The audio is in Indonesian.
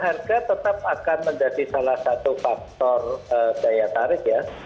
harga tetap akan menjadi salah satu faktor daya tarik ya